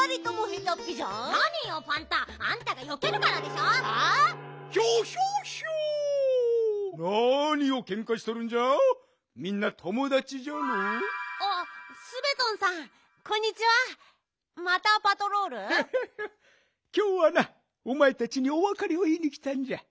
ヒョヒョヒョきょうはなおまえたちにおわかれをいいにきたんじゃ。